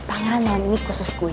pangeran malam ini khusus kue